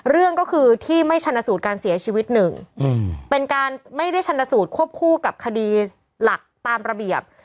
เรื่องก็คือที่ไม่ชนะสูตรการเสียชีวิตหนึ่งเป็นการไม่ได้ชนสูตรควบคู่กับคดีหลักตามระเบียบ